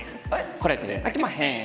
これで泣けまへん！